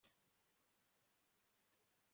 Bituma ahinda umushyitsi cyane kandi agashya